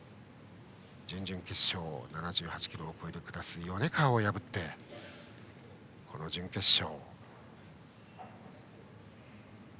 準々決勝は７８ｋｇを超えるクラスの米川を破って、この準決勝。